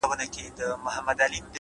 د لرې غږونو ګډوالی د ښار ژوند جوړوي؛